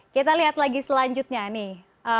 kita lihat lagi selanjutnya nih